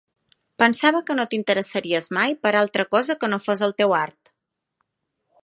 Pensava que no t'interessaries mai per altra cosa que no fos el teu art.